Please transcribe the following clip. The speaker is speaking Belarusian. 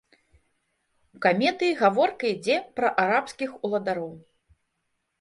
У камедыі гаворка ідзе пра арабскіх уладароў.